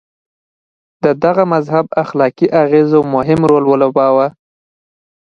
د دغه مذهب اخلاقي اغېزو مهم رول ولوباوه.